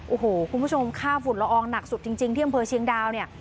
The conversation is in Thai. โอ้โหคุณผู้ชมค่าฝุ่นละอองหนักสุดจริงที่อำเภอเชียงดาวเนี่ย